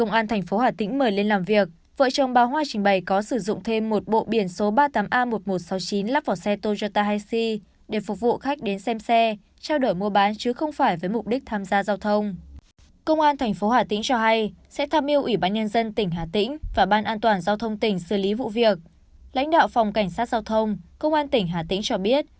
lãnh đạo phòng cảnh sát giao thông công an tỉnh hà tĩnh cho biết